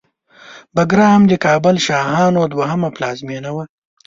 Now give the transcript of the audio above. بګرام د کابل شاهانو دوهمه پلازمېنه وه